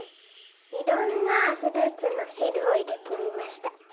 いろんなフルーツのしるをいれてみました。